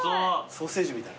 ソーセージみたい。